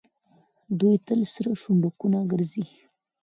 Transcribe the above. دوی تل سره شونډکونه ګرځي.